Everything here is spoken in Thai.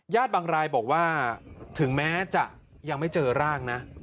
บางรายบอกว่าถึงแม้จะยังไม่เจอร่างนะ